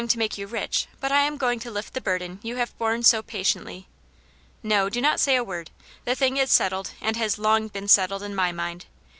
to make you rich, but I am going to lift the burden you have borne so patiently. No, do not say a word ; the thing is settled, and has long been settled in my mind.